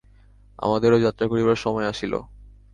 আমাদেরও যাত্রা করিবার সময় আসিল।